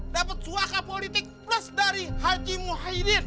dapet suaka politik plus dari haji muhaidin